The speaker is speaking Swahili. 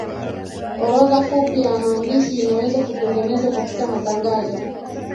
orodha fupi ya maandishi inaweza kutengenezwa katika matangazo